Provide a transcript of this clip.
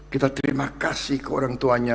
kita terima kasih ke orang tuanya